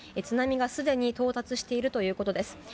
津波がすでに到達しているということです。